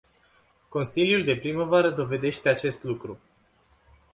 Consiliul de primăvară dovedește acest lucru.